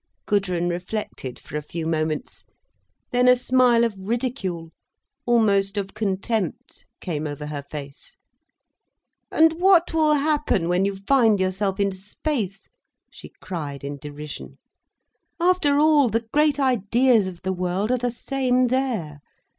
Gudrun reflected for a few moments. Then a smile of ridicule, almost of contempt, came over her face. "And what will happen when you find yourself in space?" she cried in derision. "After all, the great ideas of the world are the same there.